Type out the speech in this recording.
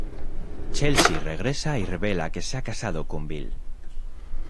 Chelsea regresa y revela que se ha casado con Bill.